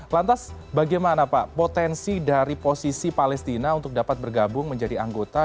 lantas bagaimana pak potensi dari posisi palestina untuk dapat bergabung menjadi anggota